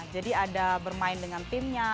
jadi ada bermain dengan timnya